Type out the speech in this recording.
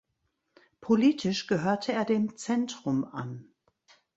Politisch gehörte er dem Zentrum an.